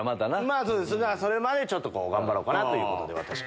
まぁそれまで頑張ろうかなということで私が。